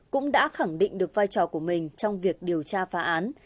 cũng đã khẳng định được vai trò của mình trong việc điều tra phá án